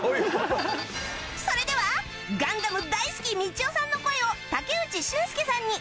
それでは『ガンダム』大好きみちおさんの声を武内駿輔さんに